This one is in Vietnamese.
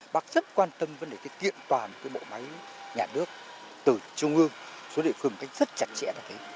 bác rất quan tâm vấn đề tiện toàn bộ máy nhà nước từ trung ương xuống địa phương rất chặt chẽ